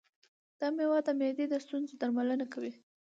دا مېوه د معدې د ستونزو درملنه کوي.